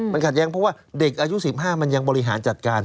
มันขัดแย้งเพราะว่าเด็กอายุ๑๕มันยังบริหารจัดการ